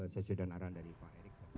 sesudah naran dari pak erick